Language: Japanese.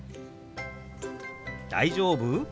「大丈夫？」